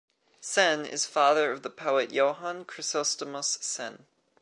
Senn is father of the poet Johann Chrysostomus Senn.